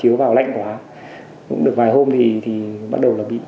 đủ vitamin quán chất